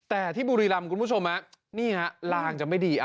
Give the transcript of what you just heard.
แต่ที่บุรีรำคุณผู้ชมนี่ฮะลางจะไม่ดี